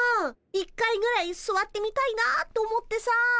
一回ぐらいすわってみたいなと思ってさ。